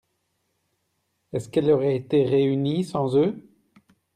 Est-ce qu'elle aurait été réunie sans eux ?